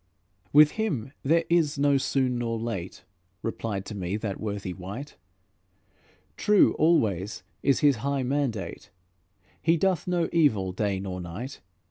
"With Him there is no soon nor late," Replied to me that worthy wight; "True always is His high mandate; He doth no evil, day nor night.